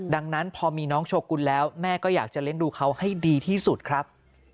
ดังนั้นพอมีน้องโชกุลแล้วแม่ก็อยากจะเลี้ยงดูเขาให้ดีที่สุดครับ